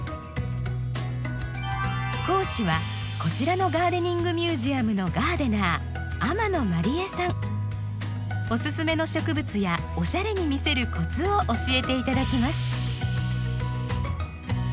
講師はこちらのガーデニングミュージアムのおすすめの植物やおしゃれに見せるコツを教えていただきます。